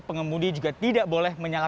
pengemudi juga tidak boleh menyala